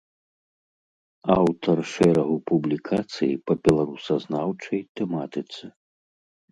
Аўтар шэрагу публікацый па беларусазнаўчай тэматыцы.